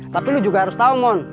tapi lu juga harus tau mon